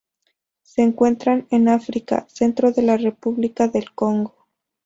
Se encuentran en África: centro de la República del Congo.